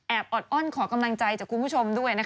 แอบอดอ้อนขอกำลังใจจากคุณผู้ชมด้วย